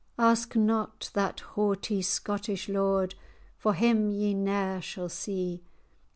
"Ask not that haughty Scottish lord, For him ye ne'er shall see.